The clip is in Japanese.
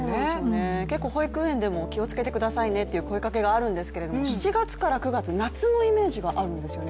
結構保育園でも気をつけてくださいねという声かけがあるんですが７月から９月、夏のイメージがあるんですよね